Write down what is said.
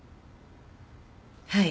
はい。